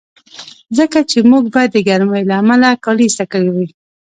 ځکه چې موږ به د ګرمۍ له امله کالي ایسته کړي وي.